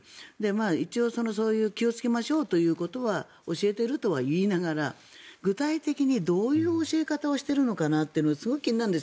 一応気をつけましょうということは教えているとはいいながら具体的にどういう教え方をしているのかすごい気になるんです。